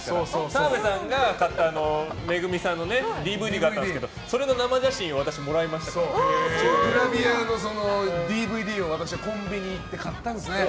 澤部さんが買ったＭＥＧＵＭＩさんのＤＶＤがあったんですけどそれの生写真をグラビアのＤＶＤを、私はコンビニ行って買ったんですね。